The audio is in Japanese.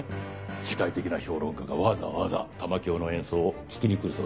世界的な評論家がわざわざ玉響の演奏を聴きにくるそうです。